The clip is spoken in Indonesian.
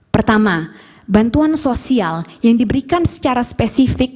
pertama bantuan sosial yang diberikan secara spesifik